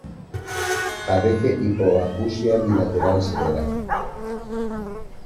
Padece hipoacusia bilateral severa.